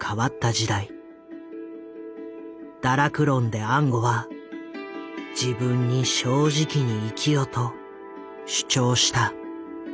「堕落論」で安吾は「自分に正直に生きよ」と主張した。